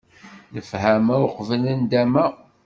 Lefhama uqbel nndama!